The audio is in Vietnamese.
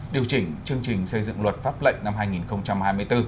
điều chỉnh chương trình xây dựng luật pháp lệnh năm hai nghìn hai mươi bốn